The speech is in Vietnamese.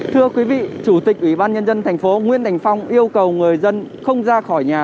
thưa quý vị chủ tịch ủy ban nhân dân thành phố nguyễn thành phong yêu cầu người dân không ra khỏi nhà